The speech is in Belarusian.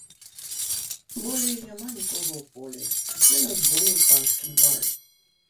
Болей няма нікога ў полі, усе на згоне ў панскім двары.